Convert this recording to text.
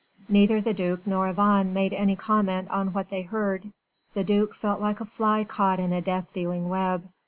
Neither the duc nor Yvonne made any comment on what they heard: the duc felt like a fly caught in a death dealing web.